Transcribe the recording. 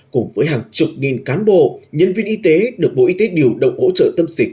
cùng với hàng chục nghìn cán bộ nhân viên y tế được bộ y tế điều động hỗ trợ tâm dịch